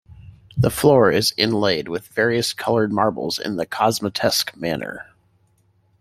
The floor is inlaid with various colored marbles in the Cosmatesque manner.